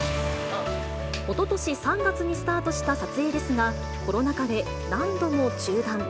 おととし３月にスタートした撮影ですが、コロナ禍で、何度も中断。